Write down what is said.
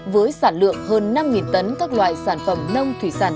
với sản lượng hơn năm tấn các loại sản phẩm nông thủy sản